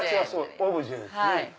オブジェですね。